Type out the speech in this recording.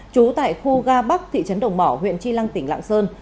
chú tại khu ga bắc thị trấn đồng mỏ huyện tri lăng tỉnh lạng sơn